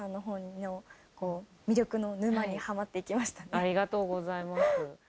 ありがとうございます。